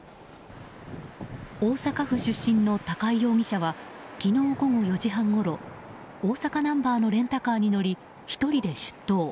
大阪府出身の高井容疑者は昨日午後４時半ごろ大阪ナンバーのレンタカーに乗り１人で出頭。